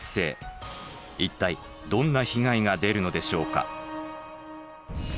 一体どんな被害が出るのでしょうか？